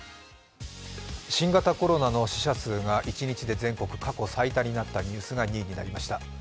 新型コロナの死者数が一日で全国過去最多になったニュースが２位になりました。